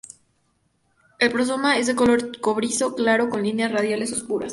El prosoma es de color cobrizo claro, con líneas radiales oscuras.